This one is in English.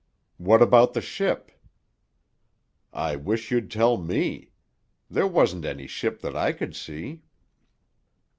"What about the ship?" "I wish you'd tell me. There wasn't any ship that I could see."